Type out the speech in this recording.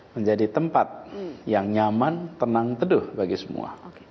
menjadi tempat yang nyaman tenang teduh bagi semua